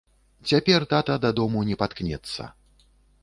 Цяпер тата дадому не паткнецца.